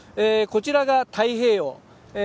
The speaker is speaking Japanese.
こちらが太平洋ええ